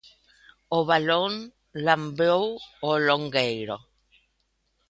O balón lambeu o longueiro.